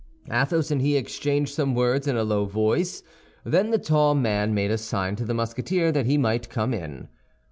Athos and he exchanged some words in a low voice, then the tall man made a sign to the Musketeer that he might come in.